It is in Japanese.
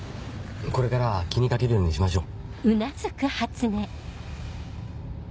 これからは気にかけるようにしましょう。